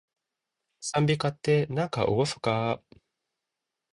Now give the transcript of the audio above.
讃美歌って、なんかおごそかー